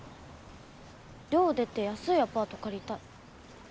寮出て安いアパート借りたい。